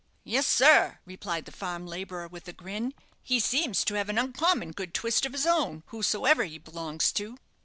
"Yes, sir," replied the farm labourer, with a grin; "he seems to have an oncommon good twist of his own, wheresoever he belongs to."